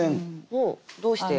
どうして？